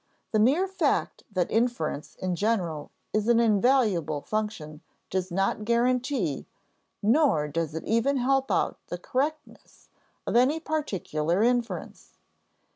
The mere fact that inference in general is an invaluable function does not guarantee, nor does it even help out the correctness of any particular inference.